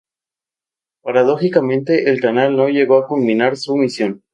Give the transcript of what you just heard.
Paradójicamente, el canal no llegó a culminar su misión.